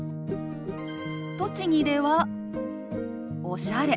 栃木では「おしゃれ」。